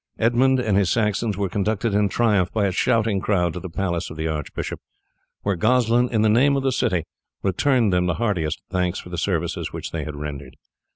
Edmund and his Saxons were conducted in triumph by a shouting crowd to the palace of the archbishop, where Goslin, in the name of the city, returned them the heartiest thanks for the services which they had rendered.